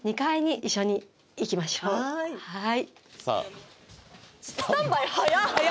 はいさあスタンバイ早っ！